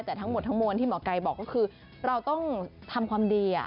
แต่ทั้งหมดทั้งมวลที่หมอไก่บอกก็คือเราต้องทำความดี